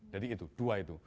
jadi itu dua itu